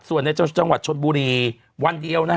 ส่วนในจังหวัดชนบุรีวันเดียวนะฮะ